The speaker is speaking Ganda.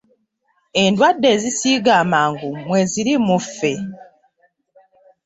Endwadde ezisiiga amangu mweziri mu ffe.